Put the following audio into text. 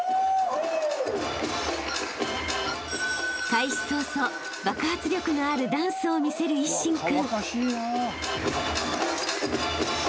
［開始早々爆発力のあるダンスを見せる一心君］